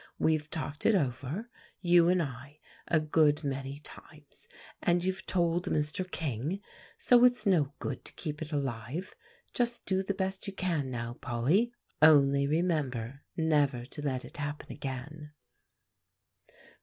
We've talked it over, you and I, a good many times, and you've told Mr. King, so it's no good to keep it alive. Just do the best you can now, Polly. Only remember never to let it happen again."